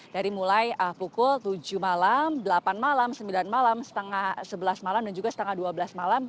dari mulai pukul tujuh malam delapan malam sembilan malam sebelas malam dan juga setengah dua belas malam